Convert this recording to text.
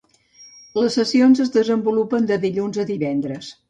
Les sessions es desenvolupen de dilluns a divendres.